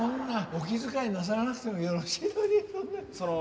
お気遣いなさらなくてもよろしいのにそんな。